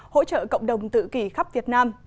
hỗ trợ cộng đồng tự kỳ khắp việt nam